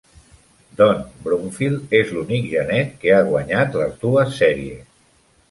Don Brumfield és l'únic genet que ha guanyat les dues sèries.